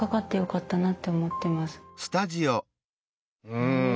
うん！